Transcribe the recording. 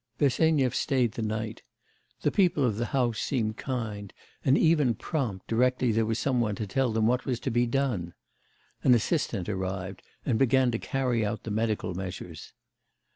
Bersenyev stayed the night. The people of the house seemed kind, and even prompt directly there was some one to tell them what was to be done. An assistant arrived, and began to carry out the medical measures.